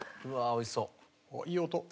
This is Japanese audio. うわーおいしそう。